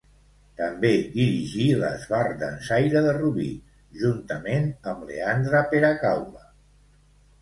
També dirigí l'Esbart Dansaire de Rubí, juntament amb Leandre Peracaula.